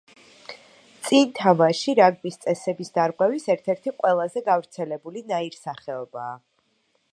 წინ თამაში რაგბის წესების დარღვევის ერთ-ერთი ყველაზე გავრცელებული ნაირსახეობაა.